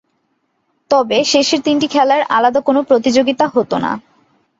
তবে শেষের তিনটি খেলার আলাদা কোনো প্রতিযোগিতা হত না।